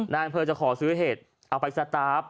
นายอำเภอจะขอซื้อเห็ดเอาไปสตาร์ฟ